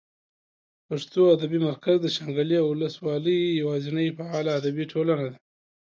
پښتو ادبي مرکز د شانګلې اولس والۍ یواځینۍ فعاله ادبي ټولنه ده